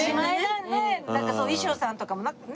衣装さんとかもね